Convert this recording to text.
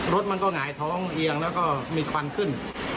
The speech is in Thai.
รถมันก็หงายท้องเอียงแล้วก็มีควันขึ้น